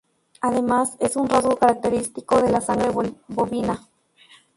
Además, es un rasgo característico de la sangre bovina.